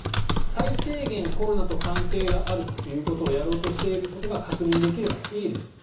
最低限コロナと関係があるということをやろうとしていることが確認できればいいですと。